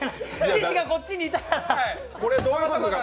岸がこっちにいたから。